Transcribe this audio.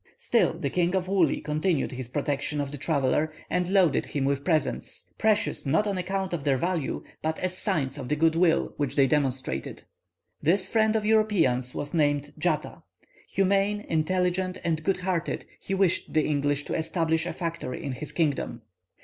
Still the King of Woolli continued his protection of the traveller, and loaded him with presents, precious not on account of their value, but as signs of the good will which they demonstrated. This friend of the Europeans was named Djata. Humane, intelligent, and good hearted, he wished the English to establish a factory in his kingdom.